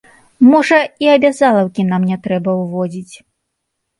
Можа, і абязалаўкі нам не трэба ўводзіць.